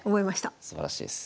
すばらしいです。